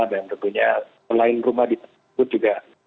dan tentunya selain rumah di tersebut juga